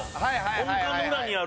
「本館の裏にある」